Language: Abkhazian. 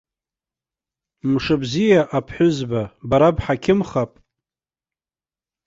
Мшыбзиа, аԥҳәызба, бара бҳақьымхап?